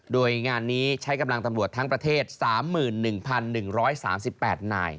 โดยงานนี้ใช้กำลังตำรวจทั้งประเทศ๓๑๑๓๘นาย